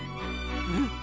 うん！